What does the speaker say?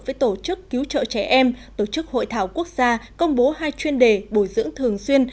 với tổ chức cứu trợ trẻ em tổ chức hội thảo quốc gia công bố hai chuyên đề bồi dưỡng thường xuyên